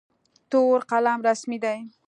تور قلم رسمي دی.